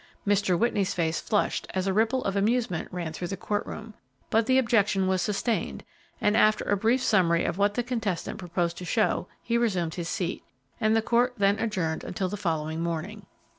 Mr. Whitney's face flushed as a ripple of amusement ran through the courtroom, but the objection was sustained, and, after a brief summary of what the contestant proposed to show, he resumed his seat, and the court then adjourned until the following morning.